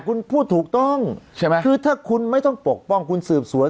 คุณพูดถูกต้องใช่ไหมคือถ้าคุณไม่ต้องปกป้องคุณสืบสวน